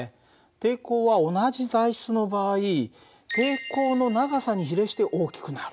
抵抗は同じ材質の場合抵抗の長さに比例して大きくなる。